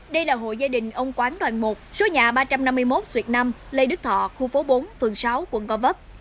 đây là hội gia đình ông quán đoàn một số nhà ba trăm năm mươi một xuyệt năm lê đức thọ khu phố bốn phường sáu quận gò vấp